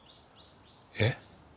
えっ？